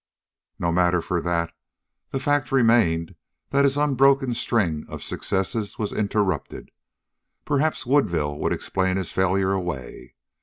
No matter for that. The fact remained that his unbroken string of successes was interrupted. Perhaps Woodville would explain his failure away.